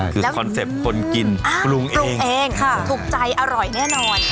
คือคอนเซปต์คนกินปรุงเองถูกใจอร่อยแน่นอน